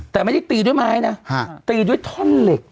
แต่ไม่ได้ตีด้วยไม้นะตีด้วยท่อนเหล็ก